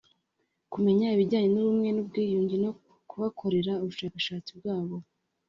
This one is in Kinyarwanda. kumenya ibijyanye n’ubumwe n’ubwiyunge no kuhakorera ubushakashatsi bwabo